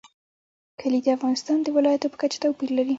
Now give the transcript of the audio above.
کلي د افغانستان د ولایاتو په کچه توپیر لري.